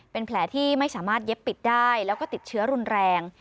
เป็นแผลที่ไม่สามารถเย็บปิดได้แล้วก็ติดเชื้อรุนแรง